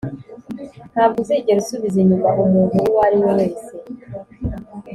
ntabwo uzigera usubiza inyuma umuntu uwo ari we wese